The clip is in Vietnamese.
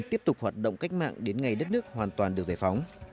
tiếp tục hoạt động cách mạng đến ngày đất nước hoàn toàn được giải phóng